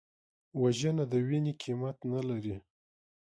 وژنه د وینې قیمت نه لري